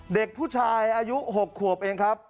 เด็กผู้ชายอายุ๖ขวบเองครับ